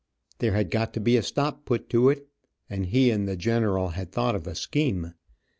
There had got to be a stop put to it, and he and the general had thought of a scheme.